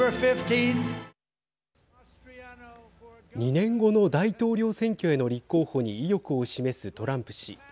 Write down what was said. ２年後の大統領選挙への立候補に意欲を示すトランプ氏。